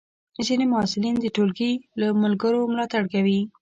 ځینې محصلین د ټولګی ملګرو ملاتړ کوي.